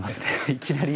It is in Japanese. いきなり。